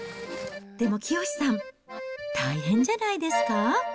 でも清さん、大変じゃないですか。